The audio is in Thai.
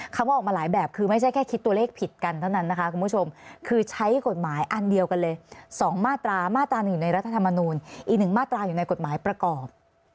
คำว่าออกมาหลายแบบคือไม่ใช่แค่คิดตัวเลขผิดกันเท่านั้นนะคะคุณผู้ชมคือใช้กฎหมายอันเดียวกันเลย๒มาตรามาตรา๑ในรัฐธรรมนูลอีกหนึ่งมาตราอยู่ในกฎหมายประกอบ